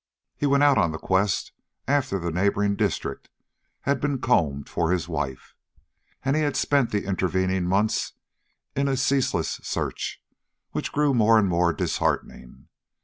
He went out on the quest after the neighboring district had been combed for his wife, and he had spent the intervening months in a ceaseless search, which grew more and more disheartening.